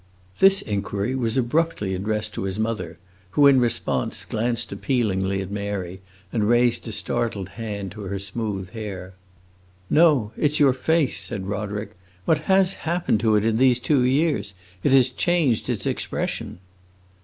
This inquiry was abruptly addressed to his mother, who, in response, glanced appealingly at Mary and raised a startled hand to her smooth hair. "No, it 's your face," said Roderick. "What has happened to it these two years? It has changed its expression."